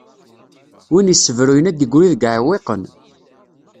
Win issebruyen ad d-igri deg iɛwiqen.